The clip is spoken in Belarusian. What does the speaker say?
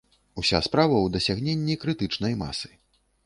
Уся справа ў дасягненні крытычнай масы.